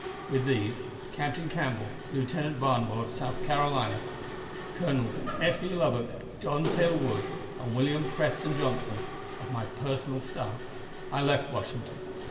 With these. Captain Campbell, Lieutenant Barnwell, of South Carolina, Colonels F. E. Lubbock, John Taylor Wood, and William Preston Johnston, of my personal staff, I left Washington.